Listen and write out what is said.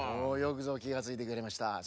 おおよくぞきがついてくれました。